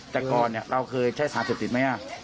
แต่ก่อนเราเคยใช้สารเสพติดไหม